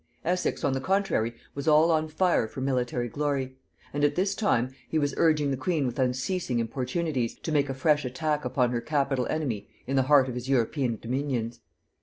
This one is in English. Essex on the contrary was all on fire for military glory; and at this time he was urging the queen with unceasing importunities to make a fresh attack upon her capital enemy in the heart of his European dominions.